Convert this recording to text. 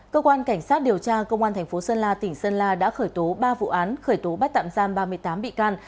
cơ quan cảnh sát điều tra công an thành phố sơn la tỉnh sơn la đã khởi tố ba vụ án khởi tố bắt tạm giam ba mươi tám bị can